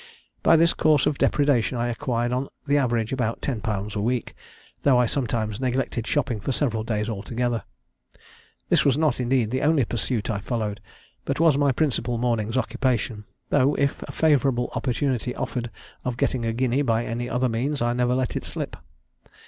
By this course of depredation I acquired on the average about ten pounds a week, though I sometimes neglected shopping for several days together. This was not, indeed, the only pursuit I followed, but was my principal morning's occupation; though, if a favourable opportunity offered of getting a guinea by any other means, I never let it slip.